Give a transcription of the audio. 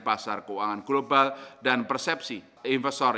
pasar keuangan global dan persepsi investor